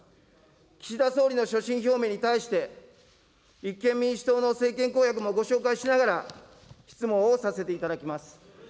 岸田総理の所信表明に対して、立憲民主党の政権公約もご紹介しながら、質問をさせていただきます。